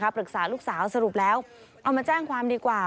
ปรึกษาลูกสาวสรุปแล้วเอามาแจ้งความดีกว่า